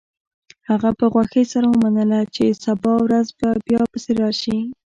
هغه په خوښۍ سره ومنله چې سبا ورځ بیا پسې راشي